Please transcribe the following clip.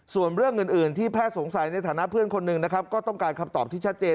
ส่วนเรื่องอื่นที่แพทย์สงสัยในฐานะเพื่อนคนหนึ่งนะครับก็ต้องการคำตอบที่ชัดเจน